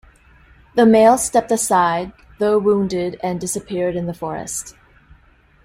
The male stepped aside, though wounded, and disappeared in the forest.